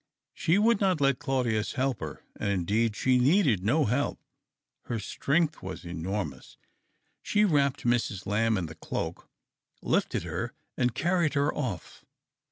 She would not let Claudius help her, and indeed she needed no help ; her strength was enormous. She wrapped JMrs. Lamb in the cloak, lifted her and carried her off.